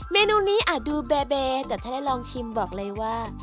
เมนูนี้อาจดูเบเบแต่ถ้าได้ลองชิมบอกเลยว่า